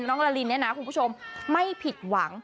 ลาลินเนี่ยนะคุณผู้ชมไม่ผิดหวัง